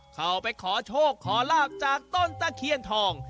เข้าไปขอโชคขอลาบจากต้นตะเคียนทอง